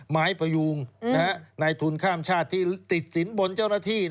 ไม้พยุงนายทุนข้ามชาติที่ติดสินบนเจ้าหน้าที่